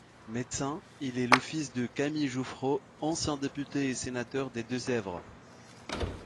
Médecin, il est le fils de Camille Jouffrault, ancien député et sénateur des Deux-Sèvres.